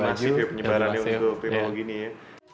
masih penyebarannya untuk pilih seperti ini ya